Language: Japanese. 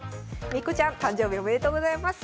めいっ子ちゃん誕生日おめでとうございます。